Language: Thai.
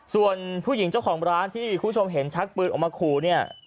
ส่วนผู้หญิงเจ้าของร้านที่คุณผู้ชมเห็นชักปืนออกมาขู่เนี่ย